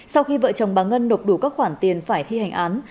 sau khi vợ chồng bà ngân nộp đủ các khoản tiền phải thi hành án